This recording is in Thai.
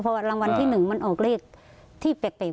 เพราะว่ารางวัลที่๑มันออกเลขที่แปลก